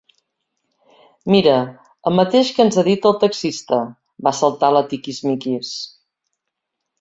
Mira, el mateix que ens ha dit el taxista —va saltar la Tiquismiquis.